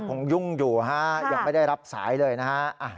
ยุ่งอยู่ฮะยังไม่ได้รับสายเลยนะฮะ